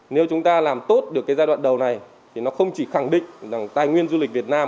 nếu chúng ta làm tốt được cái giai đoạn đầu này thì nó không chỉ khẳng định rằng tài nguyên du lịch việt nam